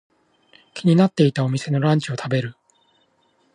気になっていたお店のランチを食べる。